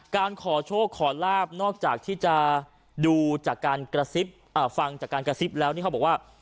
การขอโชคขอลาบนอกจากที่จะดูจากการกระฟังจากการกระซิบแล้วนี่เขาบอกว่า